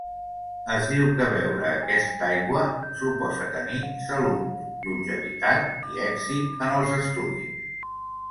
Es diu que beure aquesta aigua suposa tenir salut, longevitat i èxit en els estudis.